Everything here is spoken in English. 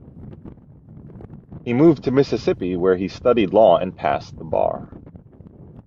He moved to Mississippi, where he studied law and passed the bar.